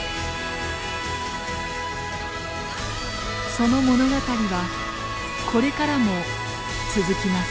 その物語はこれからも続きます。